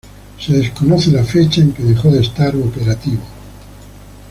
Se desconoce la fecha en la que dejó de estar operativo.